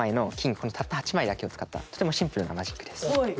このたった８枚だけを使ったとてもシンプルなマジックです。